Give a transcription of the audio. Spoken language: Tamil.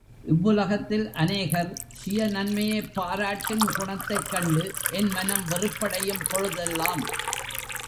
இவ்வுலகத்தில் அநேகர் சுய நன்மையைப் பாராட்டுங் குணத்தைக் கண்டு என் மனம் வெறுப்படையும் பொழுதெல்லாம்.